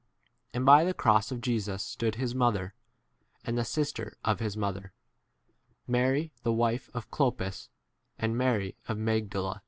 25 And by the cross of Jesus stood his mother, and the sister of his mother, Mary the wife of Clopas, 26 and Mary of Magdala.